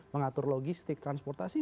mengatur logistik transportasi